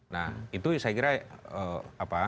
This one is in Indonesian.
nah itu saya kira